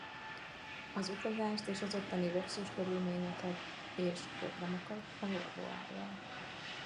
Az utazást és ottani luxus körülményeket és a programokat a Volvo állja.